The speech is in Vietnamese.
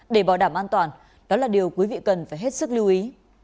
để bảo đảm an toàn đó là điều quý vị cần phải hết sức lưu ý